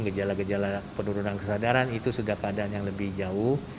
gejala gejala penurunan kesadaran itu sudah keadaan yang lebih jauh